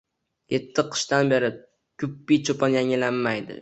Yetti qishdan beri guppi-chopon” yangilanmaydi.